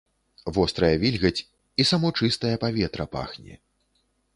Вострая вільгаць, і само чыстае паветра пахне.